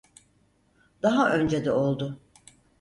Daha önce de oldu.